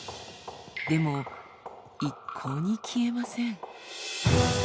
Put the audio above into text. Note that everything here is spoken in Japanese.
でも一向に消えません。